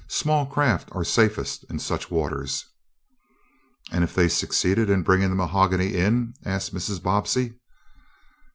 "Small craft are safest in such waters." "And if they succeeded in bringing the mahogany in?" asked Mrs. Bobbsey.